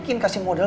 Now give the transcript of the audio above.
saya pergi dulu